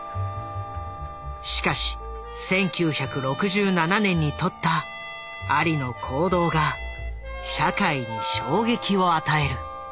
しかし１９６７年にとったアリの行動が社会に衝撃を与える。